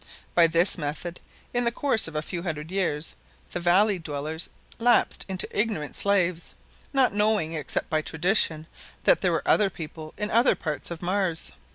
By this method, in the course of a few hundred years, the valley dwellers lapsed into ignorant slaves, not knowing, except by tradition, that there were other people in other parts of Mars.